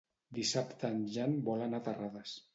Dissabte en Jan vol anar a Terrades.